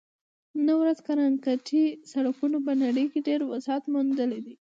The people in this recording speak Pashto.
نن ورځ کانکریټي سړکونو په نړۍ کې ډېر وسعت موندلی دی